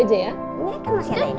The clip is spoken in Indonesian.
ini kan masih lagi